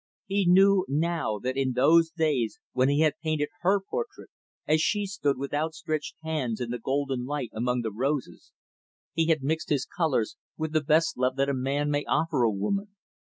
He knew, now, that in those days when he had painted her portrait, as she stood with outstretched hands in the golden light among the roses, he had mixed his colors with the best love that a man may offer a woman.